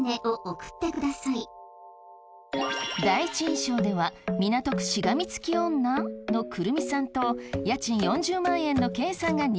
第一印象では港区しがみつき女？のくるみさんと家賃４０万円のけいさんが人気。